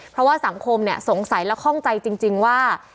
เพราะว่าสังคมสงสัยและข้องใจจริงว่า